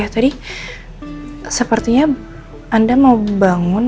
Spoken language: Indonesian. oh ya tadi sepertinya anda mau bangun